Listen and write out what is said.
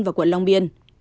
và quận long biên